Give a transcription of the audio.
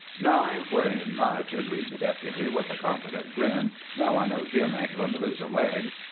"No, I ain't worryin' much," agreed the Deputy, with a confident grin, "now I know Jim ain't goin' to lose a leg.